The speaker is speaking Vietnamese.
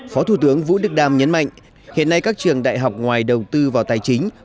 phó thủ tướng vũ đức đam nhấn mạnh hiện nay các trường đại học ngoài đầu tư vào tài chính